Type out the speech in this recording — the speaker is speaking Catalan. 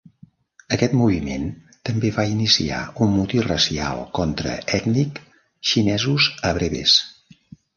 Aquest moviment també va iniciar un motí racial contra ètnic xinesos a Brebes.